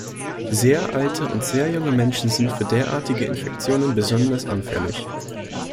Sehr alte und sehr junge Menschen sind für derartige Infektionen besonders anfällig.